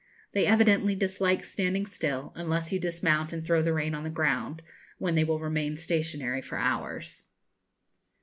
They evidently dislike standing still, unless you dismount and throw the rein on the ground, when they will remain stationary for hours.